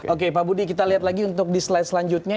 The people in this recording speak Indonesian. oke pak budi kita lihat lagi untuk di slide selanjutnya